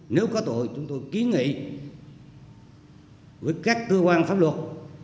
nếu có tội chúng tôi kiến nghị với các cơ quan pháp luật